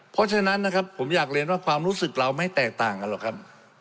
เพราะฉะนั้นนะครับผมอยากเรียนว่าความรู้สึกเราไม่แตกต่างกันหรอกครับ